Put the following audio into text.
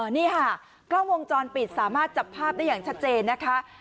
นี่ค่ะกล้องวงจรปิดสามารถจับภาพได้อย่างชัดเจนนะคะ